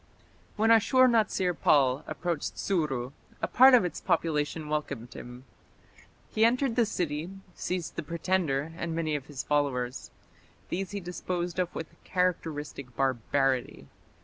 When Ashur natsir pal approached Suru, a part of its population welcomed him. He entered the city, seized the pretender and many of his followers. These he disposed of with characteristic barbarity.